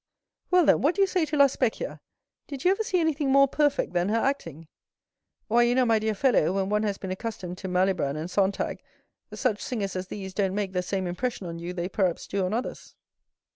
"Well, then, what do you say to La Specchia? Did you ever see anything more perfect than her acting?" "Why, you know, my dear fellow, when one has been accustomed to Malibran and Sontag, such singers as these don't make the same impression on you they perhaps do on others."